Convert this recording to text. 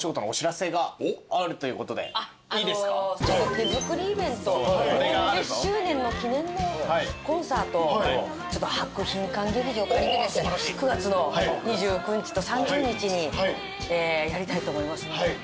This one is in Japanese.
手作りイベント４０周年の記念のコンサートちょっと博品館劇場借りて９月の２９日と３０日にやりたいと思いますので。